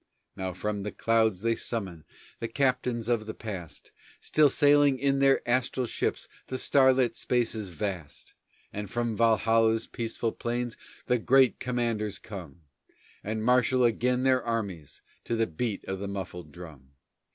Now from the clouds they summon The Captains of the Past, Still sailing in their astral ships The star lit spaces vast; And from Valhalla's peaceful plains The Great Commanders come, And marshal again their armies To the beat of the muffled drum.